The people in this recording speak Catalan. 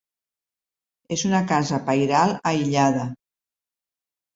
És una casa pairal aïllada.